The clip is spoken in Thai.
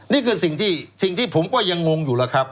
นี่คือสิ่งที่ผมก็ยังงงอยู่